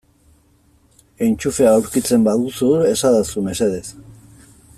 Entxufea aurkitzen baduzu esadazu mesedez.